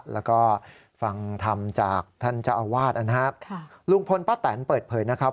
แล้วก็ฟังธรรมจากท่านเจ้าอาวาสนะครับลุงพลป้าแตนเปิดเผยนะครับ